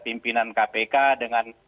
pimpinan kpk dengan